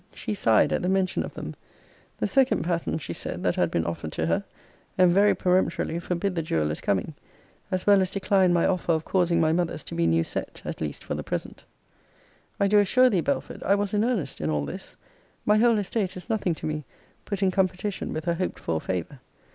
She sighed at the mention of them: the second patterns, she said, that had been offered to her:* and very peremptorily forbid the jeweller's coming; as well as declined my offer of causing my mother's to be new set, at least for the present. * See Vol. I. Letter XLI. I do assure thee, Belford, I was in earnest in all this. My whole estate is nothing to me, put in competition with her hoped for favour.